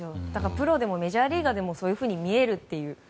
プロでもメジャーリーガーでもそういうふうに見えるという。